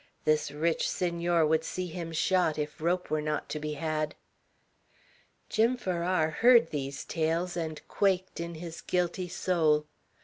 This rich Senor would see him shot, if rope were not to be had. Jim Farrar heard these tales, and quaked in his guilty soul.